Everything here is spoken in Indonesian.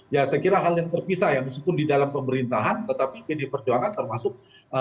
ya saya kira hal yang terpisah ya meskipun di dalam pemerintahan tetapi pdi perjuangan termasuk